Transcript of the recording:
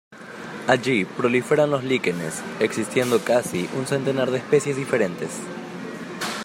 Allí proliferan los líquenes, existiendo casi un centenar de especies diferentes.